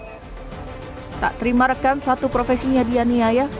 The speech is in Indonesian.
hai tak terimakasih satu profesinya diyaniaya